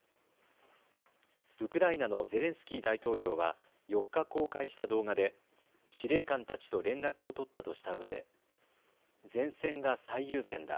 ウクライナのゼレンスキー大統領は４日、公開した動画で司令官たちと連絡を取ったとしたうえで前線が最優先だ。